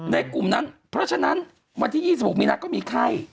กลุ่มนั้นเพราะฉะนั้นวันที่๒๖มีนาก็มีไข้